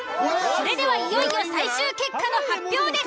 それではいよいよ最終結果の発表です。